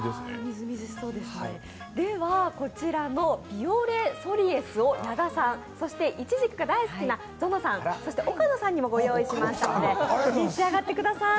こちらのビオレ・ソリエスを矢田さん、そして、イチジクが大好きなぞのさん、そして岡野さんにもご用意しましたので召し上がってください。